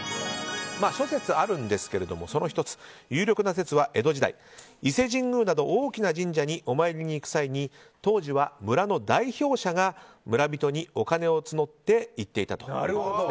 諸説あるんですが、その１つ有力な説は、江戸時代伊勢神宮など大きな神社にお参りに行く際に当時は村の代表者が村人にお金を募って行っていたと。